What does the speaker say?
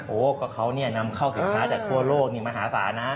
โอ้โหก็เขานำเข้าสินค้าจากทั่วโลกมหาศาลนะ